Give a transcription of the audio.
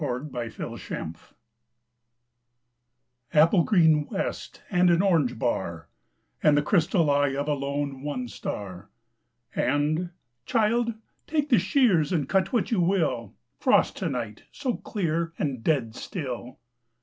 Thomas "Frost To Night" APPLE GREEN west and an orange bar, And the crystal eye of a lone, one star …And, "Child, take the shears and cut what you will, Frost to night—so clear and dead still."